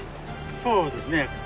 そうですね